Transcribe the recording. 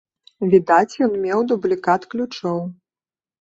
Відаць, ён меў дублікат ключоў.